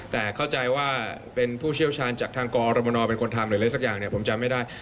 แต่เข้าใจว่าเป็นผู้เชี่ยวชาญจากทางกรมนเป็นคนทำหรืออะไรสักอย่างเนี่ยผมจำไม่ได้